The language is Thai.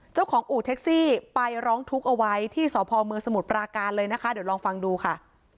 อู่แท็กซี่ไปร้องทุกข์เอาไว้ที่สพมสมุทรปราการเลยนะคะเดี๋ยวลองฟังดูค่ะ